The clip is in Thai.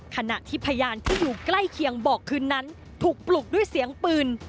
ขณะที่พยานที่อยู่ใกล้เคียงบอกคืนนั้นถูกปลุกด้วยเสียงปืน